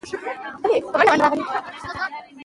د پاتابونو، ويالو او چريو پاکول